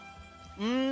うん！